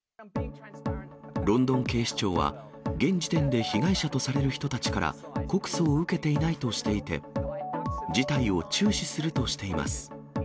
ロンドン警視庁は、現時点で被害者とされる人たちから、告訴を受けていないとしていて、事態を注視するとしています。